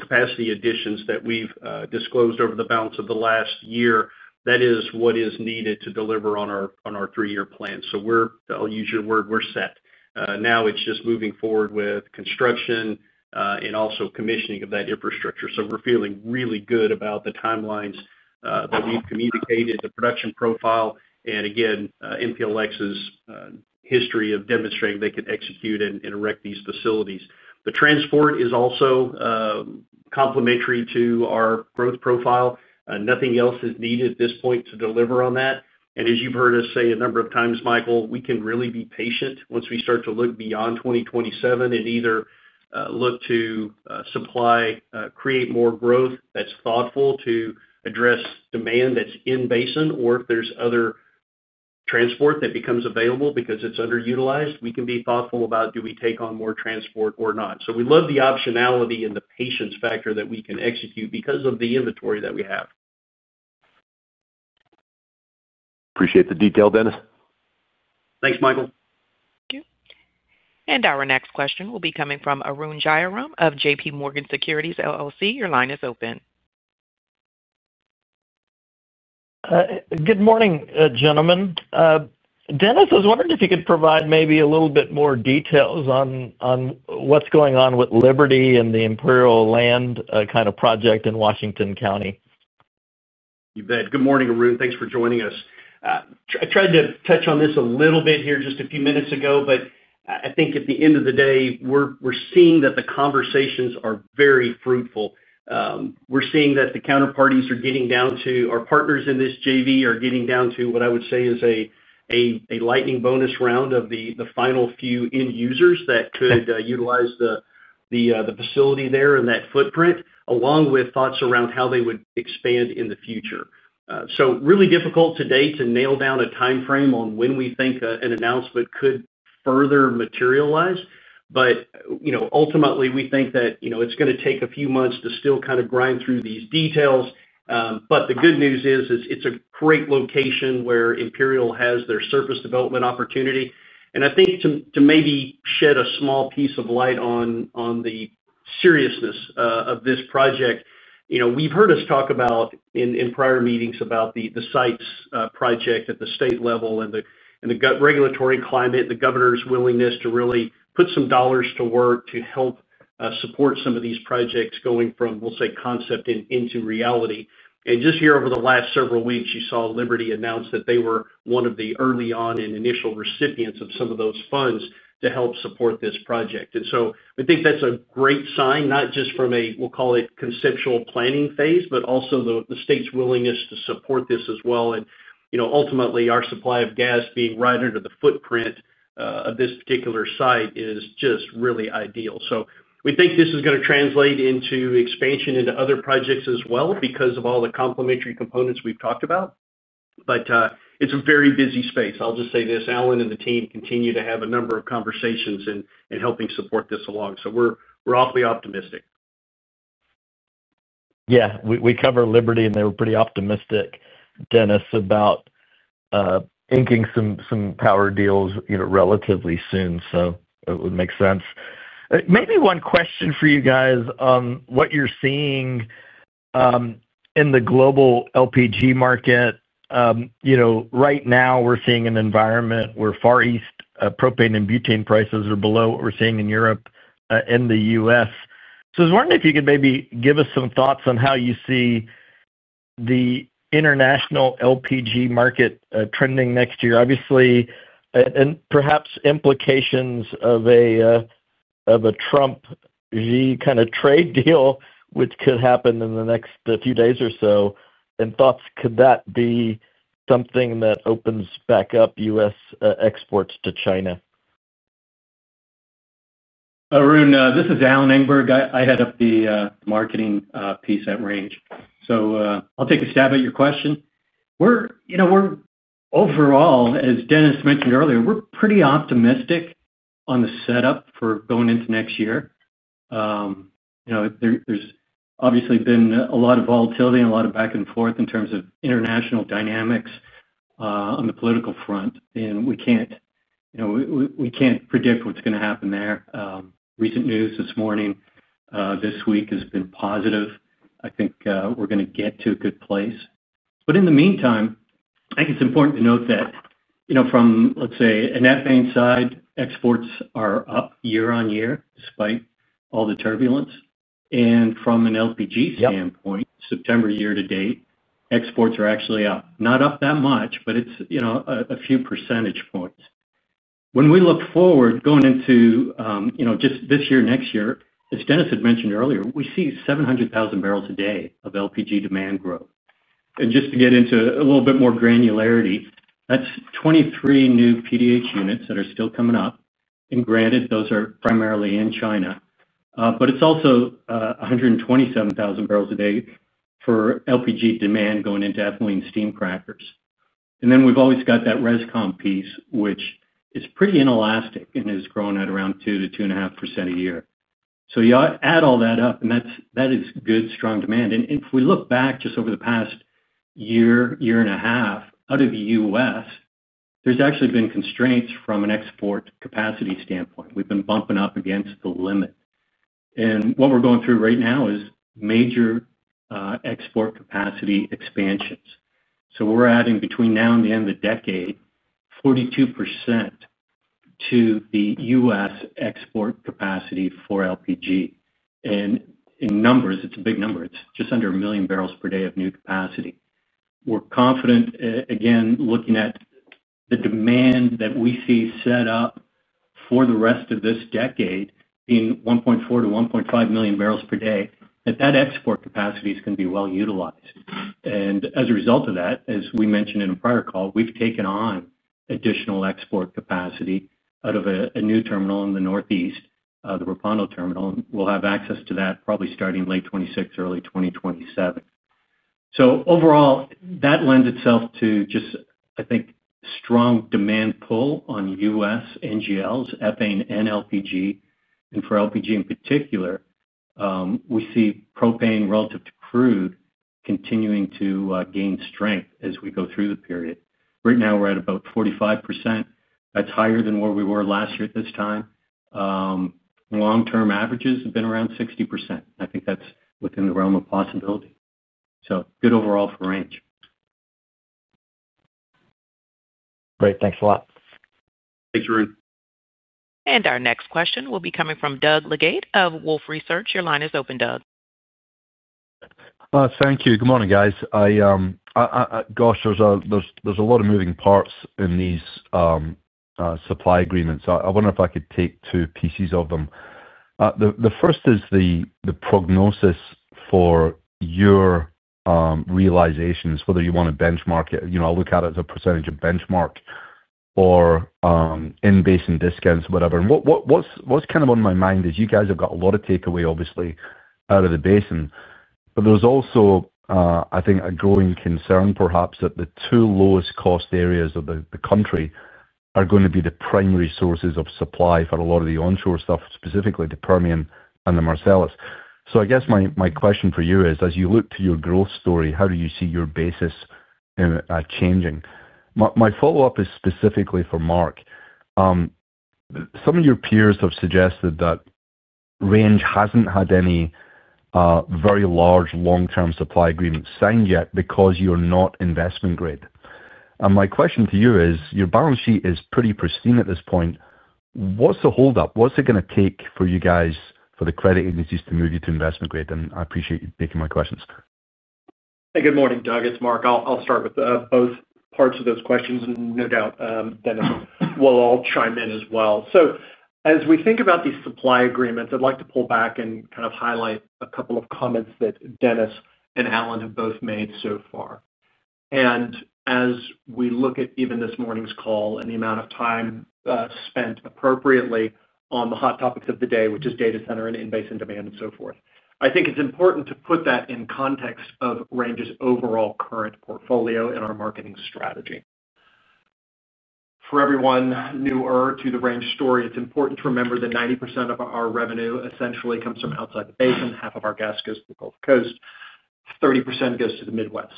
capacity additions that we've disclosed over the balance of the last year, that is what is needed to deliver on our three-year plan. I'll use your word, we're set. Now it's just moving forward with construction, and also commissioning of that infrastructure. We're feeling really good about the timelines that we've communicated, the production profile and again MPLX's history of demonstrating they could execute and erect these facilities. The transport is also complementary to our growth profile. Nothing else is needed at this point to deliver on that. As you've heard us say a number of times, Michael, we can really be patient once we start to look beyond 2027 and either look to supply, create more growth that's thoughtful, to address demand that's in Basin or if there's other transport that becomes available because it's underutilized, we can be thoughtful about, do we take on more transport or not? We love the optionality and the patience factor that we can execute, because of the inventory that we have. Appreciate the detail, Dennis. Thanks, Michael. Thank you. Our next question will be coming from Arun Jayaram of JPMorgan Securities LLC. Your line is open. Good morning, gentlemen. Dennis, I was wondering if you could provide maybe a little bit more details on what's going on with Liberty and the Imperial land kind of project in Washington County. You bet. Good morning, Arun. Thanks for joining us. I tried to touch on this a little bit here just a few minutes ago, but I think at the end of the day, we're seeing that the conversations are very fruitful. We're seeing that our partners in this JV are getting down to what I would say is a lightning bonus round of the final few end users, that could utilize the facility there and that footprint, along with thoughts around how they would expand in the future. It's really difficult today to nail down a timeframe on when we think an announcement could further materialize. Ultimately, we think that it's going to take a few months to still kind of grind through these details. The good news is, it's a great location where Imperial has their surface development opportunity. I think to maybe shed a small piece of light on the seriousness of this project, you've heard us talk in prior meetings about the sites project at the state level and the regulatory climate, the governor's willingness to really put some dollars to work, to help support some of these projects going from, we'll say concept into reality. Just here over the last several weeks, you saw Liberty announced that they were one of the early on and initial recipients of some of those funds to help support this project. I think that's a great sign, not just from a, we'll call it conceptual planning phase, but also the state's willingness to support this as well. You know, ultimately our supply of gas being right under the footprint of this particular site is just really ideal. We think this is going to translate into expansion into other projects as well, because of all the complementary components we've talked about, but it's a very busy space. I'll just say this, Alan and the team continue to have a number of conversations and helping support this along. We're awfully optimistic. Yeah, we cover Liberty and they were pretty optimistic, Dennis, about inking some power deals relatively soon, so it would make sense Maybe one question for you guys, on what you're seeing in the global LPG market. Right now, we're seeing an environment where Far East propane and butane prices are below what we're seeing in Europe and the U.S. I was wondering if you could maybe give us some thoughts on how you see the international LPG market trending next year obviously, and perhaps implications of a Trump-Xi kind of trade deal which could happen in the next few days or so. Thoughts, could that be something that opens back up U.S. exports to China? Arun, this is Alan Engberg. I head up the marketing piece at Range, so I'll take a stab at your question. Overall, as Dennis mentioned earlier, we're pretty optimistic on the setup for going into next year. There's obviously been a lot of volatility and a lot of back and forth in terms of international dynamics on the political front. We can't predict what's going to happen there. Recent news this morning, this week has been positive. I think we're going to get to a good place. In the meantime, I think it's important to note that from let's say an ethane side, exports are up year-on-year despite all the turbulence. From an LPG standpoint, September year-to-date, exports are actually up. Not up that much, but it's a few percentage points. When we look forward, going into just this year, next year, as Dennis had mentioned earlier, we see 700,000 barrels a day of LPG demand growth. Just to get into a little bit more granularity, that's 23 new PDH units that are still coming up, granted those are primarily in China. It's also 127,000 barrels a day for LPG demand going into ethylene steam crackers. We've always got that RESCOM piece, which is pretty inelastic and has grown at around 2%-2.5% a year. You add all that up, and that is good, strong demand. If we look back just over the past year, year and a half out of the U.S., there's actually been constraints from an export capacity standpoint. We've been bumping up against the limit. What we're going through right now is major export capacity expansions. We're adding between now and the end of the decade, 42% to the U.S. export capacity for LPG. In numbers, it's a big number. It's just under a million barrels per day of new capacity. We're confident again looking at the demand that we see set up for the rest of this decade being 1.4 million-1.5 million barrels per day, that that export capacity is going to be well utilized. As a result of that, as we mentioned in a prior call, we've taken on additional export capacity out of a new terminal in the Northeast, the [Rupaudo] terminal. We'll have access to that probably starting late 2026, early 2027. Overall, that lends itself to just I think, strong demand pull on U.S. NGLs, ethane and LPG. For LPG in particular, we see propane relative to crude continuing to gain strength as we go through the period. Right now we're at about 45%. That's higher than where we were last year at this time. Long-term averages have been around 60%. I think that's within the realm of possibility. Good overall for Range. Great. Thanks a lot. Thanks, Arun. Our next question will be coming from Doug Leggate of Wolfe Research. Your line is open, Doug. Thank you. Good morning, guys. Gosh, there's a lot of moving parts in these supply agreements. I wonder if I could take two pieces of them. The first is the prognosis for your realizations, whether you want to benchmark it. I look at it as a percentage of benchmark or in-basin discounts, whatever. What's on my mind is, you guys have got a lot of takeaway obviously out of the Basin. There is also I think a growing concern perhaps that the two lowest cost areas of the country are going to be the primary sources of supply for a lot of the onshore stuff, specifically the Permian and the Marcellus. I guess my question for you is, as you look to your growth story, how do you see your basis changing? My follow-up is specifically for Mark. Some of your peers have suggested that Range hasn't had any very large long-term supply agreements signed yet, because you're not investment grade. My question to you is, your balance sheet is pretty pristine at this point. What's the holdup? What's it going to take for you guys for the credit agencies to move you to investment grade? I appreciate you taking my questions. Hey. Good morning, Doug. It's Mark. I'll start with both parts of those questions and no doubt, Dennis will chime in as well. As we think about these supply agreements, I'd like to pull back and kind of highlight a couple of comments that Dennis and Alan have both made so far. As we look at even this morning's call and the amount of time spent appropriately on the hot topics of the day, which is data center and in-basin demand and so forth, I think it's important to put that in context of Range's overall current portfolio and our marketing strategy. For everyone newer to the Range story, it's important to remember that 90% of our revenue essentially comes from outside the Basin. Half of our gas goes to the Gulf Coast, 30% goes to the Midwest.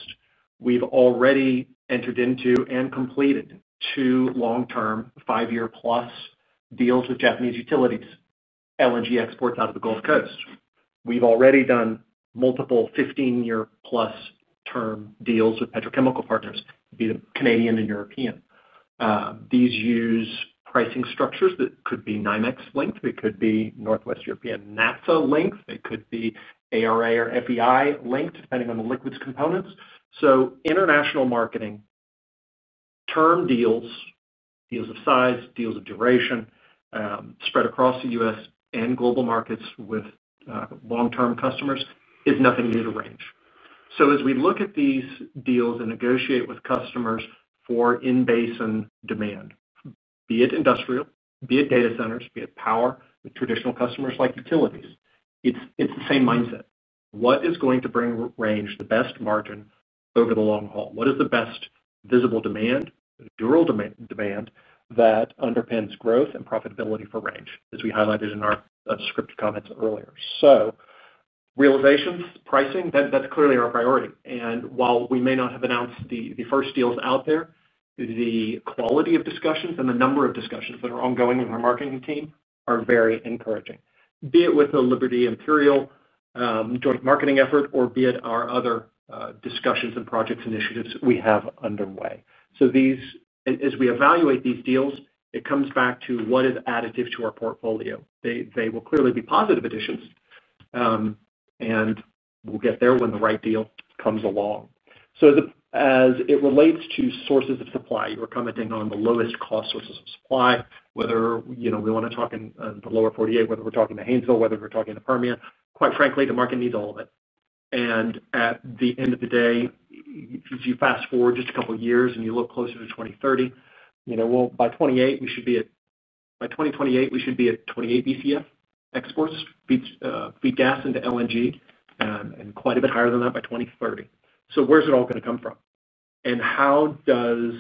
We've already entered into and completed two long-term five-year plus deals with Japanese utilities, LNG exports out of the Gulf Coast. We've already done multiple 15+ year term deals with petrochemical partners, be they Canadian and European. These use pricing structures that could be NYMEX-linked. It could be Northwest European, NASA-linked, it could be ARA or FEI-linked, depending on the liquids components. International marketing, term-deals, deals of size, deals of duration spread across the U.S. and global markets with long-term customers is nothing new to Range. As we look at these deals and negotiate with customers for in-basin demand, be it industrial, be it data centers, be it power and traditional customers like utilities, it's the same mindset. What is going to bring Range the best margin over the long haul? What is the best visible demand, durable demand that underpins growth and profitability for Range, as we highlighted in our descriptive comments earlier? Realizations pricing, that's clearly our priority. While we may not have announced the first deals out there, the quality of discussions and the number of discussions that are ongoing with our marketing team are very encouraging. Be it with the Liberty-Imperial joint marketing effort or be it our other discussions and projects initiatives we have underway. As we evaluate these deals, it comes back to, what is additive to our portfolio? They will clearly be positive additions, and we'll get there when the right deal comes along. As it relates to sources of supply, you were commenting on the lowest cost sources of supply, whether we want to talk in the lower 48, whether we're talking to Haynesville, whether we're talking to Permian, quite frankly, the market needs all of it. At the end of the day, if you fast forward just a couple years and you look closer to 2030, by 2028 we should be at 28 Bcf exports, feed gas into LNG and quite a bit higher than that by 2030. Where's it all going to come from? How does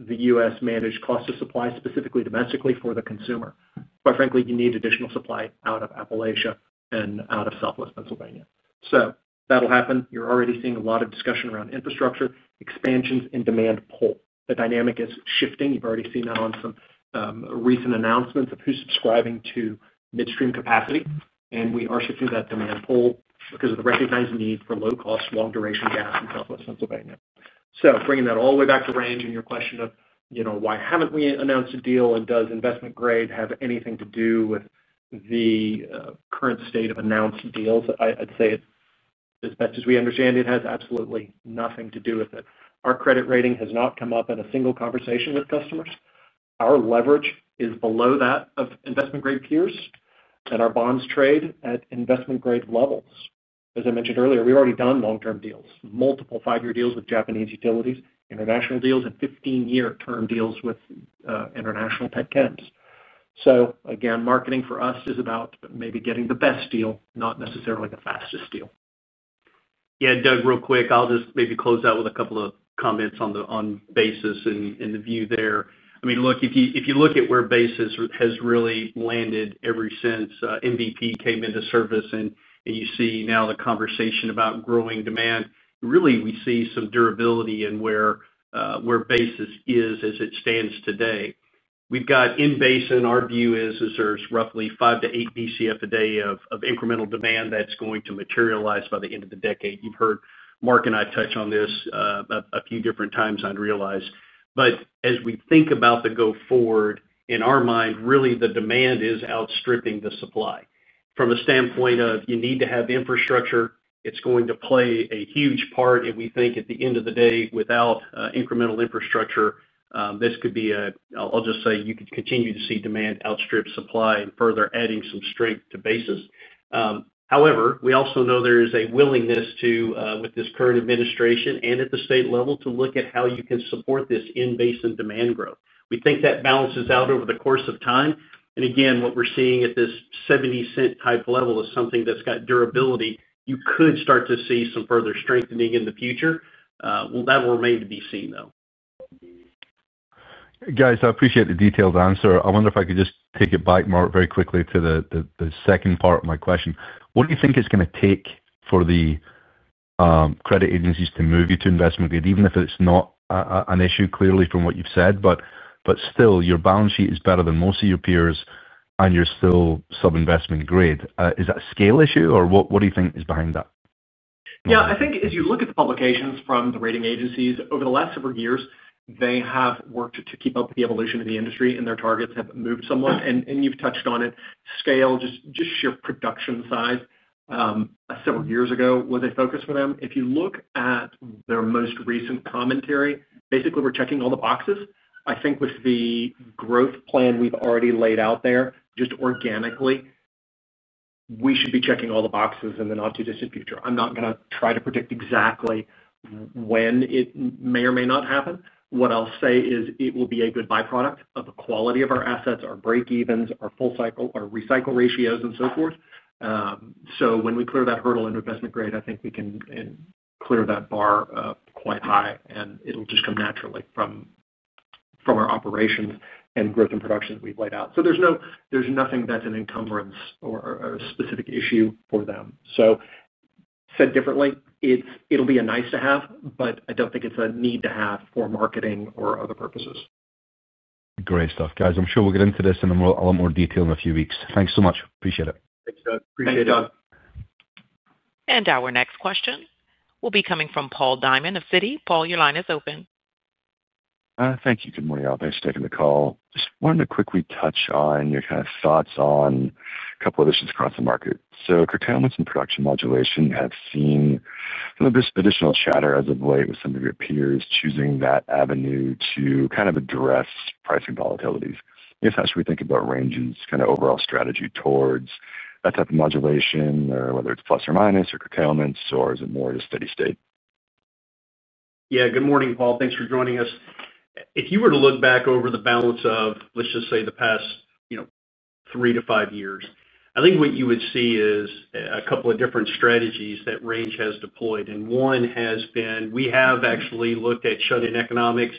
the U.S. manage cost of supply specifically domestically for the consumer? Quite frankly, you need additional supply out of Appalachia and out of southwest Pennsylvania. That will happen. You're already seeing a lot of discussion around infrastructure expansions in demand pull. The dynamic is shifting. You've already seen that on some recent announcements, of who's subscribing to midstream capacity. We are shifting that demand pull, because of the recognized need for low-cost, long duration gas in southwest Pennsylvania. Bringing that all the way back to Range and your question of, why haven't we announced a deal and does investment grade have anything to do with the current state of announced deals, I'd say as best as we understand, it has absolutely nothing to do with it. Our credit rating has not come up in a single conversation with customers. Our leverage is below that of investment-grade peers, and our bonds trade at investment-grade levels. As I mentioned earlier, we've already done long-term deals, multiple 5-year deals with Japanese utilities, international deals and 15-year term deals with international pet cats. Again, marketing for us is about maybe getting the best deal, not necessarily the fastest deal. Doug, real quick, I'll just maybe close out with a couple of comments on basis and the view there. I mean, look, if you look at where basis has really landed ever since MVP came into service and you see now the conversation about growing demand, really we see some durability where basis is as it stands today. We've got in basin, our view is there's roughly 5 Bcf-8 Bcf a day of incremental demand that's going to materialize by the end of the decade. You've heard Mark and I touch on this a few different times, I'd realize. As we think about the go forward, in our mind, really the demand is outstripping the supply. From the standpoint of, you need to have infrastructure, it's going to play a huge part. We think at the end of the day, without incremental infrastructure, this could be a, I'll just say, you could continue to see demand outstrip supply, further adding some strength to basis. However, we also know there is a willingness with this current administration and at the state level, to look at how you can support this in-basin demand growth. We think that balances out over the course of time. Again, what we're seeing at this $0.70 type level is something that's got durability. You could start to see some further strengthening in the future. That will remain to be seen though. Guys, I appreciate the detailed answer. I wonder if I could just take it back, Mark, very quickly, to the second part of my question. What do you think it's going to take for the credit agencies to move you to investment grade? Even if it's not an issue, clearly from what you've said, but still, your balance sheet is better than most of your peers and you're still sub-investment grade. Is that a scale issue, or what do you think is behind that? Yeah. I think as you look at the publications from the rating agencies over the last several years, they have worked to keep up with the evolution of the industry. Their targets have moved somewhat and you've touched on it, scale, just sheer production size several years ago was a focus for them. If you look at their most recent commentary, basically, we're checking all the boxes. I think with the growth plan we've already laid out there, just organically, we should be checking all the boxes in the not-too--distant future. I'm not going to try to predict exactly when it may or may not happen. What I'll say is, it will be a good byproduct of the quality of our assets, our break-evens, our full cycle, our recycle ratios and so forth. When we clear that hurdle in investment grade, I think we can clear that bar quite high, and it'll just come naturally from our operations and growth in production we've laid out. There's nothing that's an encumbrance or a specific issue for them. Said differently, it'll be a nice to have, but I don't think it's a need to have for marketing or other purposes. Great stuff, guys. I'm sure we'll get into this in a lot more detail in a few weeks. Thanks so much. Appreciate it. Thanks, Doug. Appreciate it. Thanks, Doug. Our next question will be coming from Paul Diamond of Citi. Paul, your line is open. Thank you. Good morning, all. Thanks for taking the call. Just wanted to quickly touch on your thoughts on a couple of issues across the market. Curtailments and production modulation have seen some this additional chatter as of late, with some of your peers choosing that avenue to kind of address pricing volatilities. Just how should we think about Range's kind of overall strategy towards that type of modulation, whether it's plus or minus or curtailments or is it more just a steady state? Yeah. Good morning, Paul. Thanks for joining us. If you were to look back over the balance of, let's just say the past three to five years, I think what you would see is a couple of different strategies that Range has deployed. One has been, we have actually looked at shut-in economics,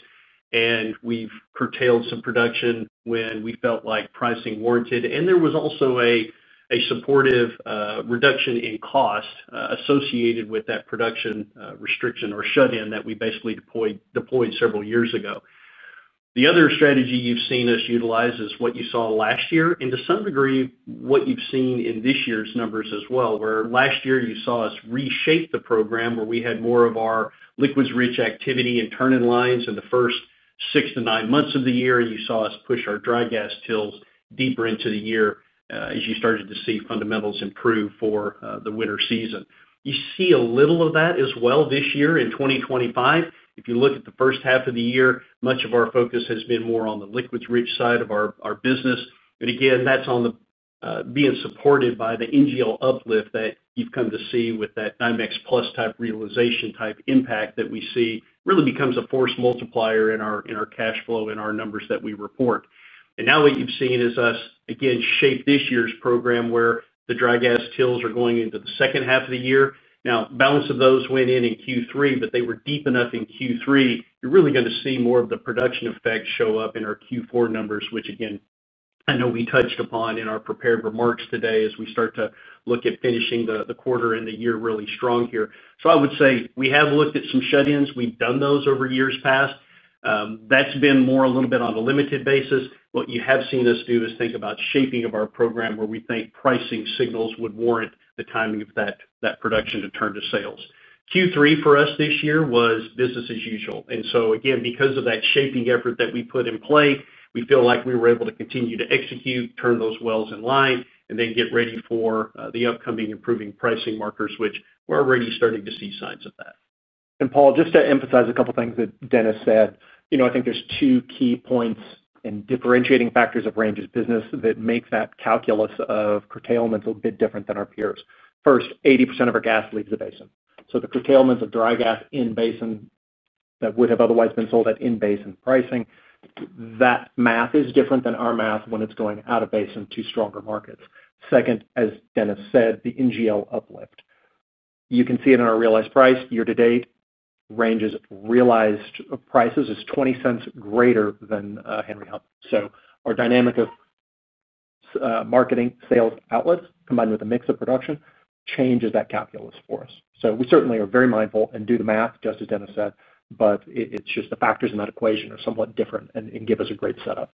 and we've curtailed some production when we felt like pricing warranted. There was also a supportive reduction in cost associated with that production restriction, or shut-in that we basically deployed several years ago. The other strategy you've seen us utilize is what you saw last year, and to some degree, what you've seen in this year's numbers as well. Last year, you saw us reshape the program, where we had more of our liquids-rich activity and turn-in-lines in the first six to nine months of the year. You saw us push our dry gas tills deeper into the year, as you started to see fundamentals improve for the winter season. You see a little of that as well this year, in 2025. If you look at the first half of the year, much of our focus has been more on the liquids-rich side of our business, and again that's being supported by the NGL uplift that you've come to see with that NYMEX+ type realization type impact, that we see really becomes a force multiplier in our cash flow and our numbers that we report. Now what you've seen is us again, shape this year's program where the dry gas tills are going into the second half of the year. Now, the balance of those went in in Q3, but they were deep enough in Q3. You're really going to see more of the production effect show up in our Q4 numbers, which again I know we touched upon in our prepared remarks today, as we start to look at finishing the quarter and the year really strong here. I would say we have looked at some [shut-ins]. We've done those over years past, that's been more a little bit on a limited basis. What you have seen us do is think about shaping of our program, where we think pricing signals would warrant the timing of that production to turn to sales. Q3 for us this year was business as usual. Again, because of that shaping effort that we put in play, we feel like we were able to continue to execute, turn those wells in line and then get ready for the upcoming improving pricing markers, which we're already starting to see signs of that. Paul, just to emphasize a couple things that Dennis said, I think there's two key points and differentiating factors of Range's business that makes that calculus of curtailments a bit different than our peers. First, 80% of our gas leaves the basin. The curtailments of dry gas in-basin that would have otherwise been sold at in-basin pricing, that math is different than our math when it's going out of basin to stronger markets. Second, as Dennis said, the NGL uplift. You can see it in our realized price year-to-date, Range's realized prices is $0.20 greater than Henry Hub. Our dynamic of marketing sales outlets combined with the mix of production, changes that calculus for us. We certainly are very mindful, and do the math just as Dennis said. It's just the factors in that equation are somewhat different and give us a great setup.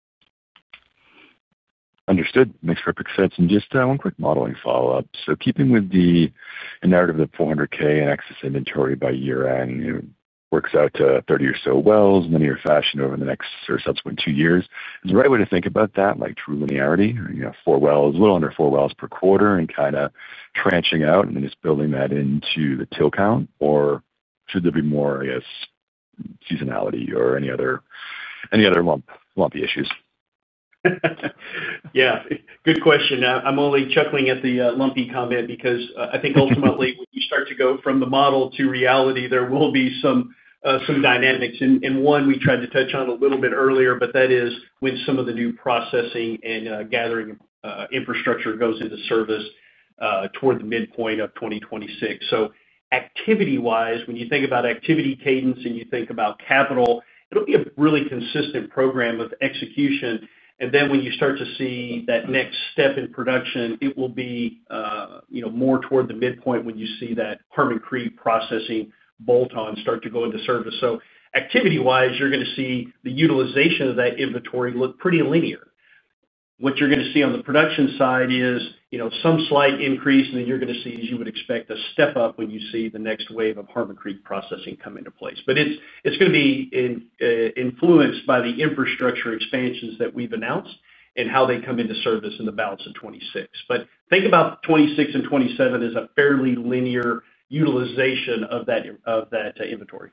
Understood, makes perfect sense. Just one quick modeling follow-up. Keeping with the narrative that 400k in excess inventory by year-end works out to 30 or so wells, linear fashion over the next or subsequent two years, is the right way to think about that? Like true linearity and four wells, a little under four wells per quarter and kind of tranching out, and just building that into the till count or should there be more I guess seasonality or any other lumpy issues? Yeah, good question. I'm only chuckling at the lumpy comment, because I think ultimately, when you start to go from the model to reality, there will be some dynamics and one we tried to touch on a little bit earlier. That is when some of the new processing and gathering infrastructure goes into service toward the midpoint of 2026. Activity-wise, when you think about activity cadence and you think about capital, it'll be a really consistent program of execution. When you start to see that next step in production, it will be more toward the midpoint when you see that Harmon Creek processing bolt-on start to go into service. Activity-wise, you're going to see the utilization of that inventory look pretty linear. What you're going to see on the production side is some slight increase, and then you're going to see, as you would expect, a step up when you see the next wave of Harmon Creek processing come into place. It's going to be influenced by the infrastructure expansions that we've announced, and how they come into service in the balance of 2026. Think about 2026 and 2027 as a fairly linear utilization of that inventory.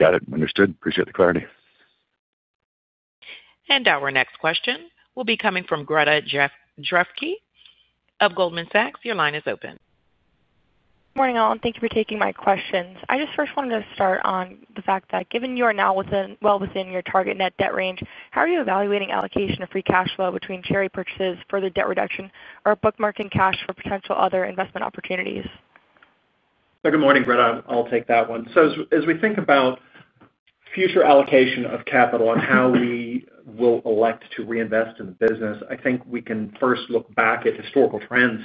Got it, understood. Appreciate the clarity. Our next question will be coming from Greta Drefke of Goldman Sachs. Your line is open. Morning, all. Thank you for taking my questions. I just first wanted to start on the fact that, given you are now well within your target net debt range, how are you evaluating allocation of free cash flow between share repurchases for the debt reduction or bookmarking cash for potential other investment opportunities? Good morning, Greta. I'll take that one. As we think about future allocation of capital and how we will elect to reinvest in the business, I think we can first look back at historical trends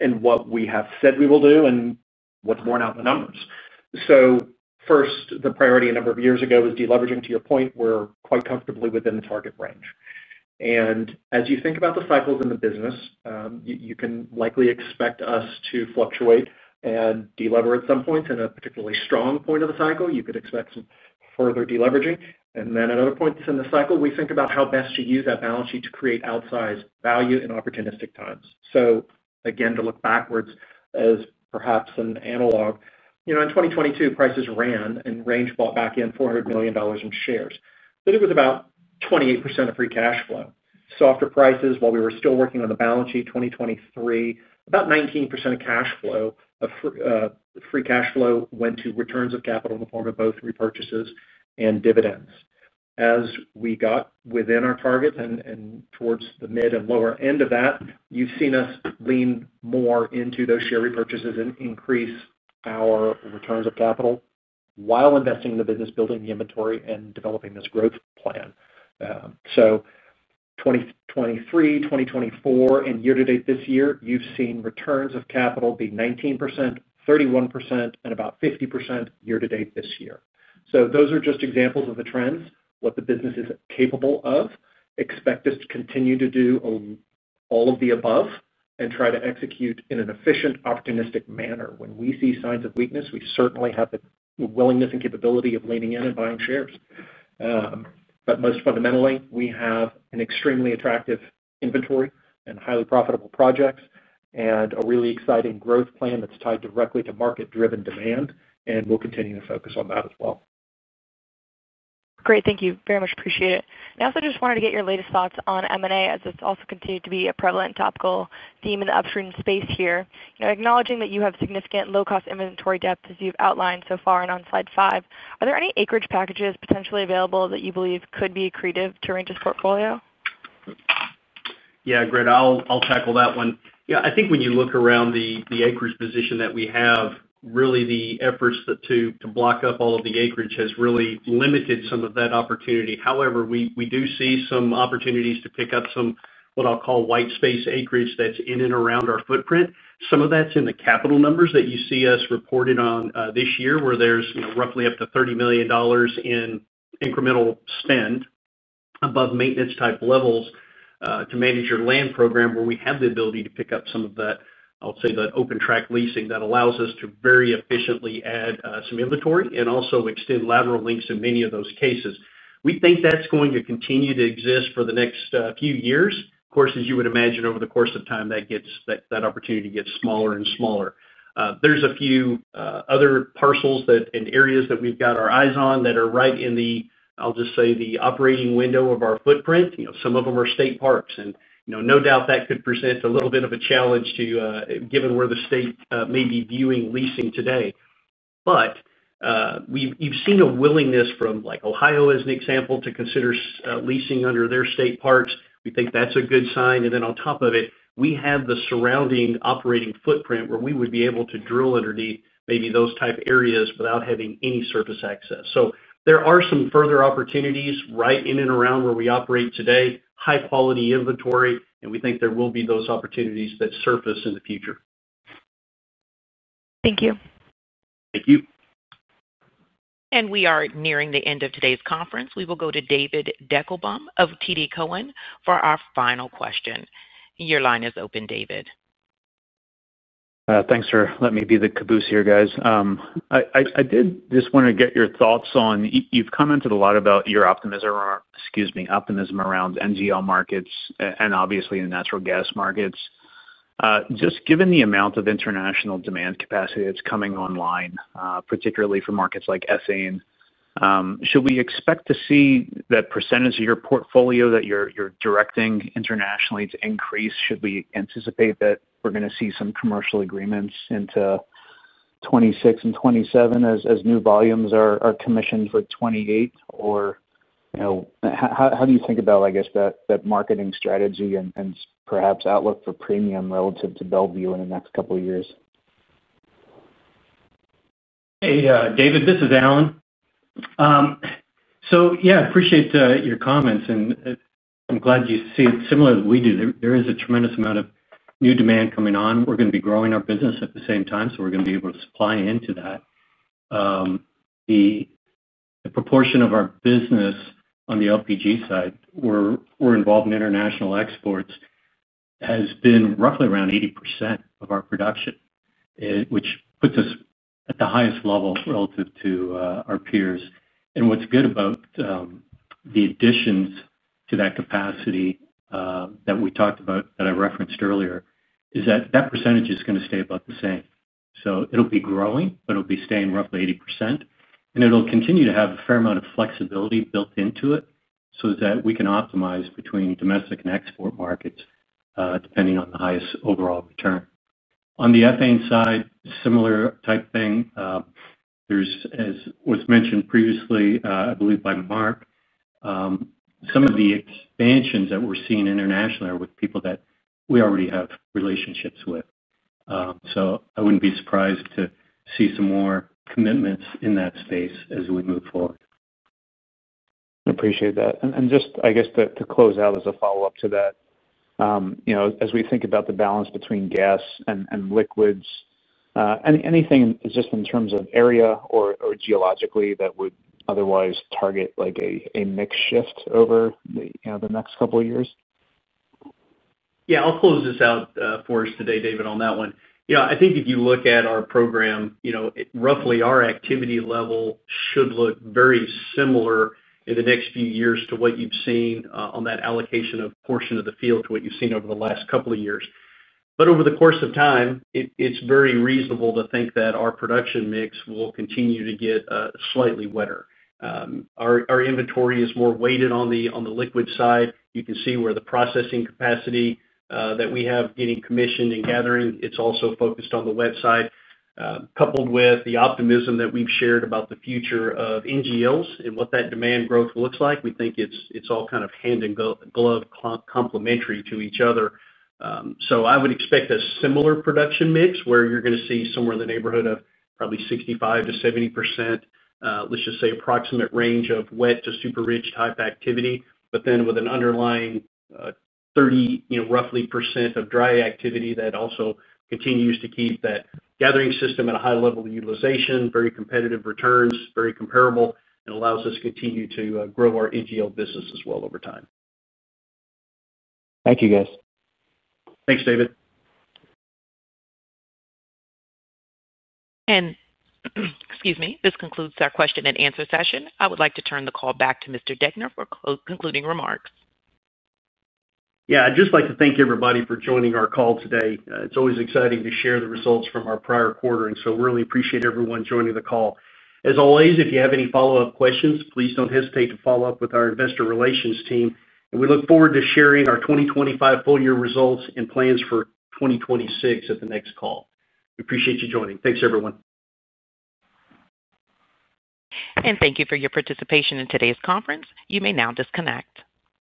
and what we have said we will do and what's borne out in the numbers. First, the priority a number of years ago was deleveraging to your point, we're quite comfortably within the target range. As you think about the cycles in the business, you can likely expect us to fluctuate and delever. At some points in a particularly strong point of the cycle, you could expect some further deleveraging. At other points in the cycle, we think about how best to use that balance sheet to create outsized value in opportunistic times. Again, to look backwards as perhaps an analog, in 2022 prices ran and Range bought back in $400 million in shares, but it was about 28% of free cash flow. Softer prices, while we were still working on the balance sheet in 2023, about 19% of free cash flow went to returns of capital in the form of both repurchases and dividends. As we got within our target and towards the mid and lower end of that, you've seen us lean more into those share repurchases and increase our returns of capital, while investing in the business, building the inventory and developing this growth plan. In 2023, 2024 and year-to-date this year, you've seen returns of capital be 19%, 31% and about 50% year-to-date this year. Those are just examples of the trends, what the business is capable of. Expect us to continue to do all of the above, and try to execute in an efficient, opportunistic manner. When we see signs of weakness, we certainly have the willingness and capability of leaning in and buying shares. Most fundamentally, we have an extremely attractive inventory and highly profitable projects, and a really exciting growth plan that's tied directly to market-driven demand and we'll continue to focus on that as well. Great, thank you. Very much appreciate it. I also just wanted to get your latest thoughts on M&A, as it's also continued to be a prevalent topical theme in the upstream space here. Acknowledging that you have significant low-cost inventory depth as you've outlined so far on slide 5, are there any acreage packages potentially available that you believe could be accretive to Range's portfolio? Yeah, Greta. I'll tackle that one. I think when you look around the [acreage] position that we have, really the efforts to block up all of the acreage has really limited some of that opportunity. However, we do see some opportunities to pick up some, what I'll call white space acreage that's in and around our footprint. Some of that's in the capital numbers that you see us reported on this year, where there's roughly up to $30 million in incremental spend, above maintenance-type levels to manage your land program. Where we have the ability to pick up some of that, I'll say that open track-leasing, that allows us to very efficiently add some inventory and also extend lateral lengths in many of those cases. We think that's going to continue to exist for the next few years. Of course, as you would imagine, over the course of time, that opportunity gets smaller and smaller. There are a few other parcels and areas that we've got our eyes on, that are right in the, I'll just say, the operating window of our footprint. Some of them are state parks, and no doubt that could present a little bit of a challenge, given where the state may be viewing leasing today. You've seen a willingness from like Ohio as an example, to consider leasing under their state parks. We think that's a good sign. On top of it, we have the surrounding operating footprint where we would be able to drill underneath maybe those type areas, without having any surface access. There are some further opportunities right in and around where we operate today, high-quality inventory and we think there will be those opportunities that surface in the future. Thank you. Thank you. We are nearing the end of today's conference. We will go to David Deckelbaum of TD Cowen for our final question. Your line is open. David. Thanks for letting me be the caboose here, guys. I did just want to get your thoughts on, you've commented a lot about your optimism around NGL markets and obviously in natural gas markets. Just given the amount of international demand capacity that's coming online, particularly for markets like ethane, should we expect to see that percentage of your portfolio that you're directing internationally to increase? Should we anticipate that we're going to see some commercial agreements into 2026 and 2027 as new volumes are commissioned for 2028, or how do you think about I guess, that marketing strategy and perhaps outlook for premium relative to Bellevue in the next couple of years? Hey, David. This is Alan. I appreciate your comments, and I'm glad you see it similar as we do. There is a tremendous amount of new demand coming on. We're going to be growing our business at the same time, so we're going to be able to supply into that. The proportion of our business on the LPG side, we're involved in international exports, has been roughly around 80% of our production, which puts us at the highest level relative to our peers. What's good about the additions to that capacity that we talked about, that I referenced earlier, is that that percentage is going to stay about the same. It'll be growing, but it'll be staying roughly 80%. It'll continue to have a fair amount of flexibility built into it, so that we can optimize between domestic and export markets, depending on the highest overall return. On the ethane side, similar type thing, as was mentioned previously I believe by Mark, some of the expansions that we're seeing internationally are with people that we already have relationships with. I wouldn't be surprised to see some more commitments in that space as we move forward. I appreciate that. Just to close out as a follow-up to that, as we think about the balance between gas and liquids, anything just in terms of area or geologically, that would otherwise target a mix shift over the next couple of years? I'll close this out for us today, David, on that one. If you look at our program, roughly our activity level should look very similar in the next few years to what you've seen on that allocation of portion of the field, to what you've seen over the last couple of years. Over the course of time, it's very reasonable to think that our production mix will continue to get slightly wetter. Our inventory is more weighted on the liquid side. You can see where the processing capacity that we have, getting commissioned and gathering, it's also focused on the wet side. Coupled with the optimism that we've shared about the future of NGLs and what that demand growth looks like, we think it's all kind of hand in glove, complementary to each other. I would expect a similar production mix, where you're going to see somewhere in the neighborhood of probably 65%-70%, let's just say approximate range of wet to super rich type activity, but then with an underlying 30% roughly, of dry activity, that also continues to keep that gathering system at a high level of utilization, very competitive returns, very comparable, and allows us to continue to grow our NGL business as well over time. Thank you, guys. Thanks, David. Excuse me. This concludes our question-and-answer session. I would like to turn the call back to Mr. Degner for concluding remarks. Yeah. I'd just like to thank everybody for joining our call today. It's always exciting to share the results from our prior quarter, and so really appreciate everyone joining the call. As always, if you have any follow-up questions, please don't hesitate to follow up with our investor relations team. We look forward to sharing our 2025 full-year results and plans for 2026 at the next call. We appreciate you joining. Thanks, everyone. Thank you for your participation in today's conference. You may now disconnect.